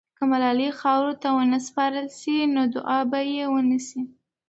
که ملالۍ خاورو ته ونه سپارل سي، نو دعا به یې ونسي.